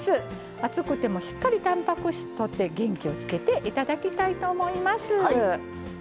暑くてもしっかりたんぱく質とって元気をつけていただきたいと思います。